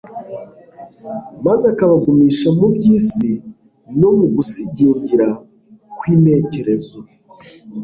maze akabagumisha mu by'isi no mu gusigingira kw'intekerezo.